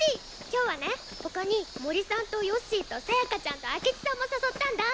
今日はねほかに森さんとよっしーとさやかちゃんと明智さんも誘ったんだ。